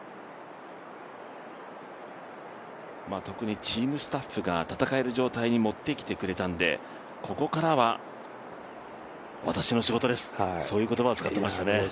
特にチームスタッフが戦える状態に持ってきてくれたんでここからは私の仕事です、そういう言葉を使っていましたね。